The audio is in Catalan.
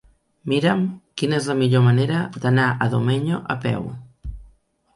Mira'm quina és la millor manera d'anar a Domenyo a peu.